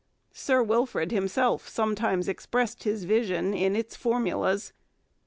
Sir Wilfrid himself sometimes expressed his vision in its formulas.